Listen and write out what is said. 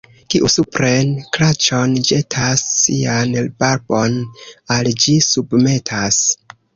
Kiu supren kraĉon ĵetas, sian barbon al ĝi submetas.